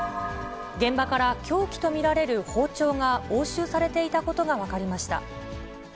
現場から凶器と見られる包丁が押収されていたことが分かりました。